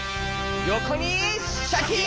よこにシャキーン！